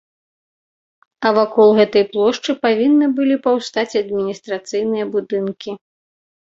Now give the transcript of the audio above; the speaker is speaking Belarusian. А вакол гэтай плошчы павінны былі паўстаць адміністрацыйныя будынкі.